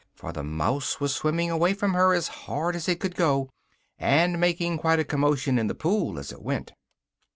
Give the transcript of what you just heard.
for the mouse was swimming away from her as hard as it could go, and making quite a commotion in the pool as it went.